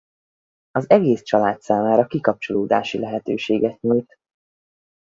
Az egész család számára kikapcsolódási lehetőséget nyújt.